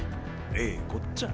ええこっちゃ。